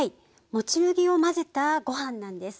もち麦を混ぜたご飯なんです。